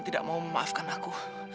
tidak mau memaafkan aku